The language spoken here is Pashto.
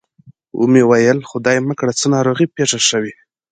و مې ویل خدای مه کړه څه ناروغي پېښه شوې.